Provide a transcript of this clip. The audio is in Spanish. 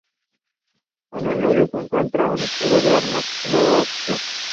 En el medio se encuentra el escudo de armas de Croacia.